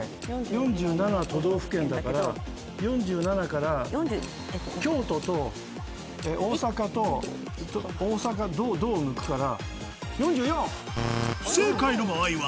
４７都道府県だから４７から京都と大阪と「道」を抜くから。